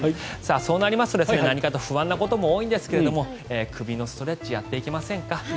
そうなりますと、何かと不安なことも多いですが首のストレッチをやっていきませんか。